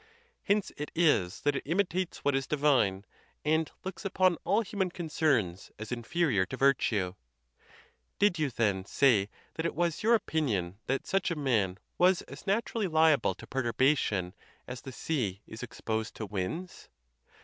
Hence it is that it imitates what is divine, and looks upon all human concerns as inferior to virtue. Did you, then, say that it was your opinion that such a man was as nat urally liable to perturbation as the sea is exposed to winds